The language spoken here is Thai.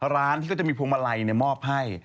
ร้านมาลัยมอบให้